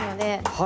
はい。